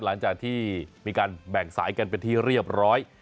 หลังจากที่มีการแบ่งสายกันเป็นที่เรียบร้อย